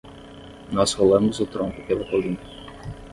Nós rolamos o tronco pela colina.